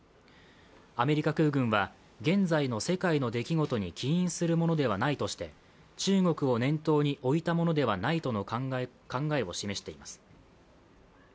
アメリカ空軍は、現在の世界の出来事に起因するものではないとして中国を念頭に置いたものではないとの考えを示しています。